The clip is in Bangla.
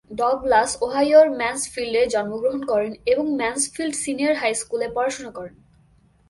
ডগলাস ওহাইওর ম্যানসফিল্ডে জন্মগ্রহণ করেন এবং ম্যানসফিল্ড সিনিয়র হাই স্কুলে পড়াশোনা করেন।